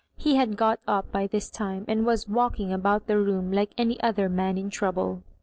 He had got up by this time, and was walking about the room like any other man in trouble.